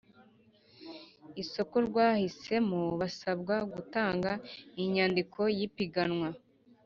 isoko rwahisemo basabwa gutanga inyandiko y ipiganwa